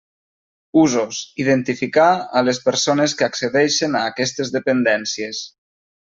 Usos: identificar a les persones que accedeixen a aquestes dependències.